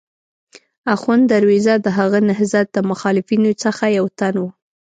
اخوند درویزه د هغه نهضت د مخالفینو څخه یو تن و.